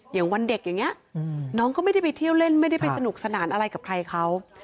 อย่างวันเด็กอย่างนี้น้องก็ไม่ได้ไปเที่ยวเล่นไม่ได้ไปสนุกสนานอะไรกับใครเขา